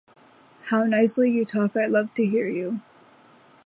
How nicely you talk; I love to hear you.